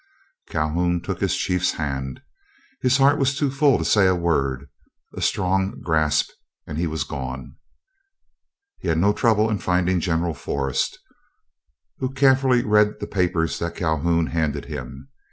Calhoun took his chief's hand. His heart was too full to say a word. A strong grasp, and he was gone. He had no trouble in finding General Forrest, who carefully read the papers that Calhoun handed him.